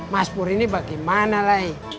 mas pur ini bagaimana lagi